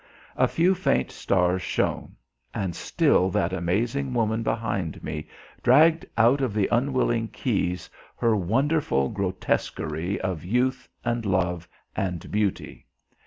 A few faint stars shone; and still that amazing woman behind me dragged out of the unwilling keys her wonderful grotesquerie of youth and love and beauty.